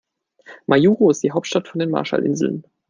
Majuro ist die Hauptstadt von den Marshallinseln.